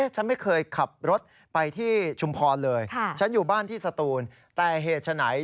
ฉันไม่เคยขับรถไปที่ชุมพรเลยฉันอยู่บ้านที่สตูนแต่เหตุฉะไหน